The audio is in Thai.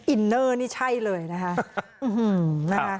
อินเนอร์นี่ใช่เลยนะคะ